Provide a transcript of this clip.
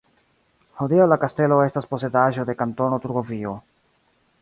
Hodiaŭ la kastelo estas posedaĵo de Kantono Turgovio.